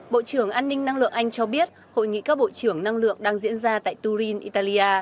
bộ trưởng an ninh năng lượng anh cho biết hội nghị các bộ trưởng năng lượng đang diễn ra tại turin italia